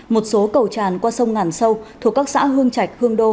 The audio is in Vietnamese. một số cầu tràn qua sông ngàn sâu thuộc các xã hương trạch hương đô